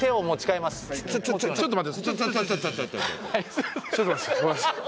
ちょっと待って。